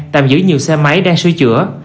tạm giữ nhiều xe máy đang sửa chữa